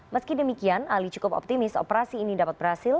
meski demikian ali cukup optimis operasi ini dapat berhasil